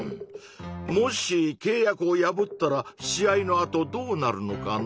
もしけい約を破ったら試合のあとどうなるのかな？